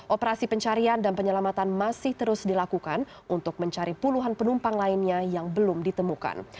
operasi pencarian dan penyelamatan masih terus dilakukan untuk mencari puluhan penumpang lainnya yang belum ditemukan